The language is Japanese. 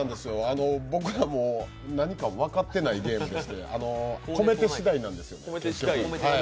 僕らも、何か分かってないゲームでして、子メテしだいなんですよ。